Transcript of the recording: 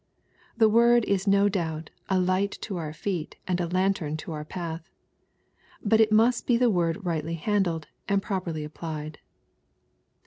The word is no doubt " a light to our feet, and a lantern to our path.'' But it must be the word rightly handled, and properly applied.